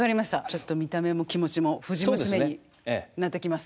ちょっと見た目も気持ちも藤娘になってきます。